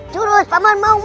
terus paman mau